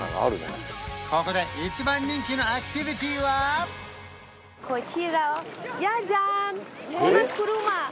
ここで一番人気のアクティビティはジャジャーン！